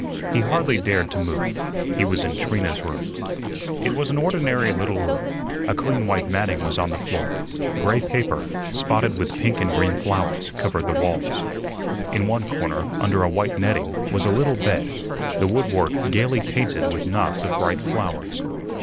He hardly dared to move. He was in Trina's room. It was an ordinary little room. A clean white matting was on the floor; gray paper, spotted with pink and green flowers, covered the walls. In one corner, under a white netting, was a little bed, the woodwork gayly painted with knots of bright flowers.